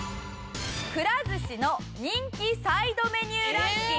くら寿司の人気サイドメニューランキング